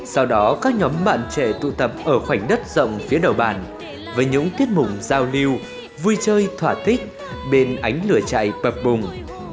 sau đó các nhóm bạn trẻ tụ tập ở khoảnh đất rộng phía đầu bàn với những tiết mục giao lưu vui chơi thỏa thích bên ánh lửa chạy bùng